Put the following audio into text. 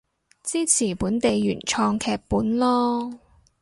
支持本地原創劇本囉